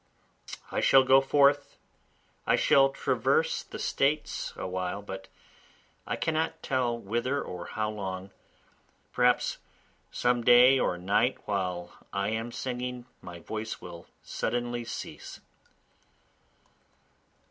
I shall go forth, I shall traverse the States awhile, but I cannot tell whither or how long, Perhaps soon some day or night while I am singing my voice will suddenly cease.